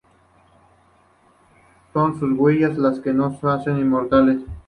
Son sus huellas las que nos hacen inmortales.